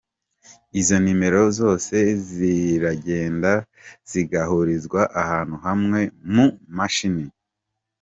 Izo nimero zose ziragenda zigahurizwa ahantu hamwe mu mashini.